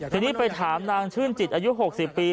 ทีนี้ไปถามนางชื่นจิตอายุ๖๐ปี